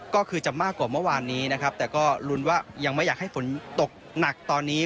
ก็คือจะมากกว่าเมื่อวานนี้นะครับแต่ก็ลุ้นว่ายังไม่อยากให้ฝนตกหนักตอนนี้